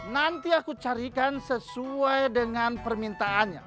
nanti aku carikan sesuai dengan permintaannya